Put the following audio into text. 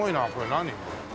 何？